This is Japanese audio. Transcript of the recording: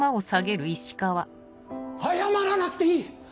謝らなくていい！